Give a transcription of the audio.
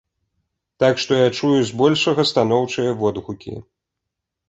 Так што я чую збольшага станоўчыя водгукі.